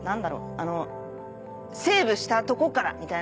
あのセーブしたとこからみたいな。